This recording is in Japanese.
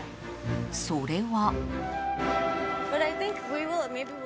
それは。